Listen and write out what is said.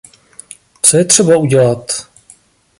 Co je třeba udělat?